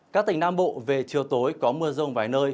các tỉnh nam bộ về chiều tối có mưa rông vài nơi